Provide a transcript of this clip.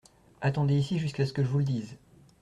Attendez ici jusqu’à ce que je vous le dise.